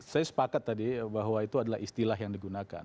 saya sepakat tadi bahwa itu adalah istilah yang digunakan